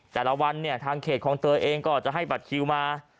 แต่ละวันทางเขตของเธอเองก็จะให้บัตรคิวมา